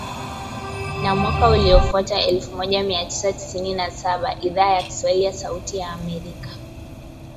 Na mwaka uliofuata elfu moja mia tisa tisini na saba Idhaa ya Kiswahili ya Sauti ya Amerika